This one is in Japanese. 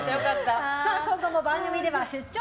今後も番組では出張！